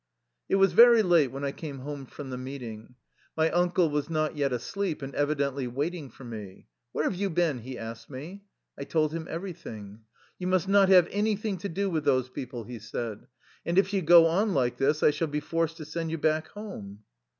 It was very late when I came home from the meeting. My uncle was not yet asleep and evi dently waiting for me. "Where have you been?" he asked me. I told him everything. " You must not have anything to do with those people/' he said. " And if you go on like this, I shall be forced to send you back home.''